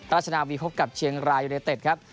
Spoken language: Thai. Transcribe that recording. ราชนาวีพบกับเชียงรายยูเนเต็ดครับ